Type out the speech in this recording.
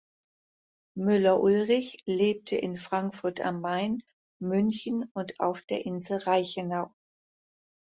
Müller-Ullrich lebte in Frankfurt am Main, München und auf der Insel Reichenau.